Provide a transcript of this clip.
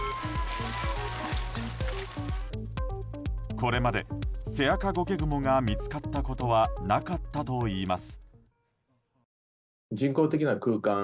これまでセアカゴケグモが見つかったことはなかったといいます。